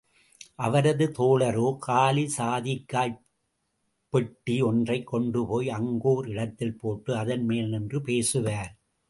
அவரது தோழரோ, காலி சாதிக்காய்ப் பெட்டி ஒன்றைக் கொண்டுபோய், அங்கோர் இடத்தில் போட்டு அதன்மேல் நின்று பேசுவார்.